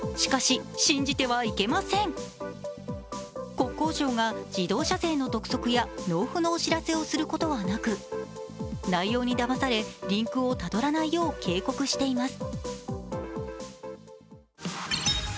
国交省が自動車税の督促や納付のお知らせをすることはなく内容にだまされリンクをたどらないよう警告しています。